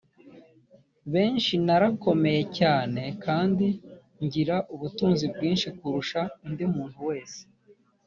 benshi narakomeye cyane kandi ngira ubutunzi bwinshi kurusha undi muntu wese